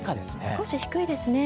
少し低いですね。